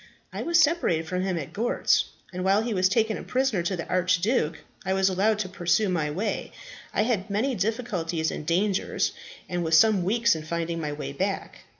"I was separated from him at Gortz, and while he was taken a prisoner to the archduke, I was allowed to pursue my way. I had many difficulties and dangers, and was some weeks in finding my way back.